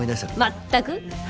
全く！